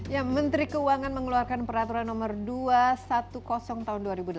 ya menteri keuangan mengeluarkan peraturan nomor dua ratus sepuluh tahun dua ribu delapan belas